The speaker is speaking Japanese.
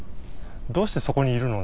「どうしてそこにいるの？